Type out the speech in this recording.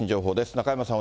中山さん